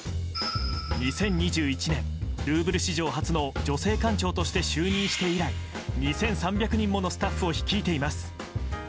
２０２１年、ルーヴル史上初の女性館長として就任して以来２３００人ものスタッフを率いています。